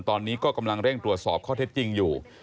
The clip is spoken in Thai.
ตอนนี้ก็กำลังเร่งตรวจสอบข้อเท็จจริงอยู่